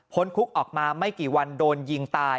คุกออกมาไม่กี่วันโดนยิงตาย